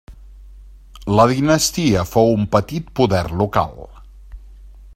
La dinastia fou un petit poder local.